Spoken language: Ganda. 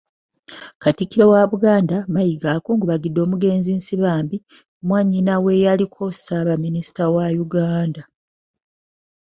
Katikkiro wa Buganda, Mayiga, akungubagidde omugenzi Nsibambi, mwannyina w'eyaliko Ssaabaminisita wa Uganda.